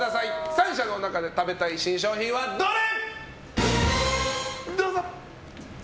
３社の中で食べたい新商品はどれ！